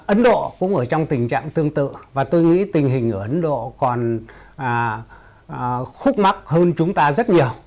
ấn độ cũng ở trong tình trạng tương tự và tôi nghĩ tình hình ở ấn độ còn khúc mắc hơn chúng ta rất nhiều